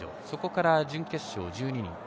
そこから準決勝１２人。